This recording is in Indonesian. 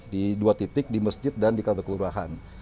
di dua titik di masjid dan di kantor kelurahan